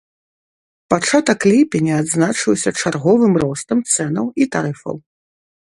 Пачатак ліпеня адзначыўся чарговым ростам цэнаў і тарыфаў.